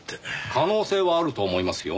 可能性はあると思いますよ。